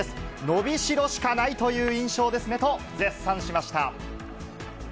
伸びしろしかないという印象ですねと絶賛しました。